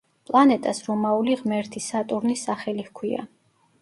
პლანეტას რომაული ღმერთი სატურნის სახელი ჰქვია.